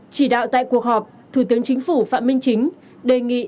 chỉ đạo tại cuộc họp thủ tướng chính phủ phạm minh chính đề nghị